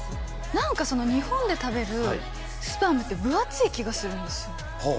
なんかその日本で食べるスパムって分厚い気がするんですよ。